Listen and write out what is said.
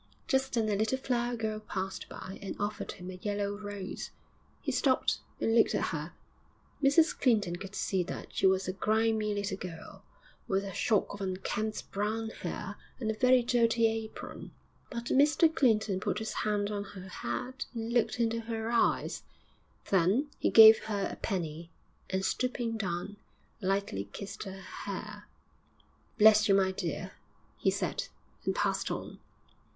Just then a little flower girl passed by and offered him a yellow rose. He stopped and looked at her; Mrs Clinton could see that she was a grimy little girl, with a shock of unkempt brown hair and a very dirty apron; but Mr Clinton put his hand on her head and looked into her eyes; then he gave her a penny, and, stooping down, lightly kissed her hair. 'Bless you, my dear!' he said, and passed on.